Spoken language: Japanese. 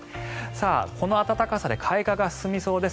この暖かさで開花が進みそうです。